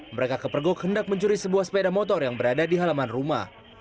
mereka kepergok hendak mencuri sebuah sepeda motor yang berada di halaman rumah